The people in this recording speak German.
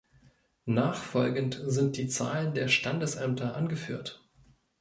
Nachfolgend sind die Zahlen der Standesämter angeführt.